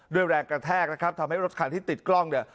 แรงกระแทกนะครับทำให้รถคันที่ติดกล้องเนี่ย